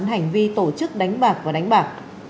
hành vi tổ chức đánh bạc và đánh bạc